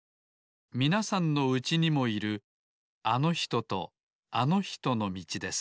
みなさんのうちにもいるあのひととあのひとのみちです